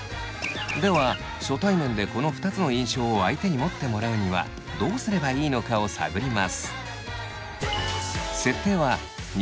では初対面でこの２つの印象を相手に持ってもらうにはどうすればいいのかを探ります。